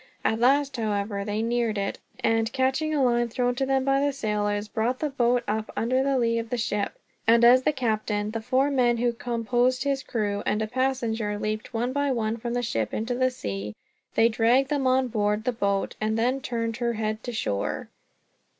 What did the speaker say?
At last, however, they neared it and, catching a line thrown to them by the sailors, brought the boat up under the lee of the ship; and as the captain, the four men who composed his crew, and a passenger, leaped one by one from the ship into the sea, they dragged them on board the boat, and then turned her head to shore.